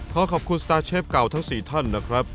ขอขอบคุณสตาร์เชฟเก่าทั้ง๔ท่านนะครับ